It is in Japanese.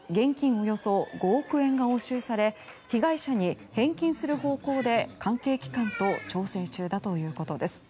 およそ５億円が押収され被害者に返金する方向で関係機関と調整中だということです。